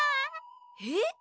えっ？